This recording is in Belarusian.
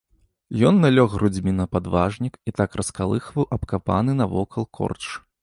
Ён налёг грудзьмі на падважнік і так раскалыхваў абкапаны навокал корч.